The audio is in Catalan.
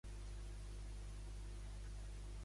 M'expliques com s'arriba al König?